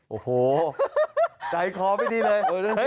โอ้โหใต้คอไปดีเลย